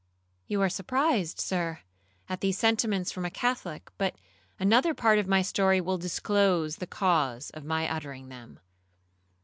You are surprised, Sir, at these sentiments from a Catholic; but another part of my story will disclose the cause of my uttering them.